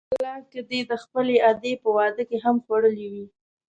په والله که دې د خپلې ادې په واده کې هم خوړلي وي.